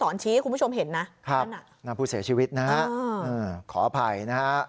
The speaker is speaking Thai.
น้ำผู้เสียชีวิตนะครับขออภัยนะครับ